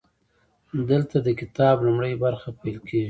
دلته د کتاب لومړۍ برخه پیل کیږي.